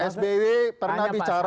sbw pernah bicara